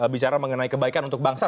bicara mengenai kebaikan untuk bangsa